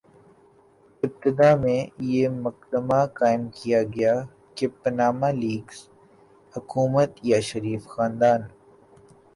ابتدا میں یہ مقدمہ قائم کیا گیا کہ پاناما لیکس حکومت یا شریف خاندان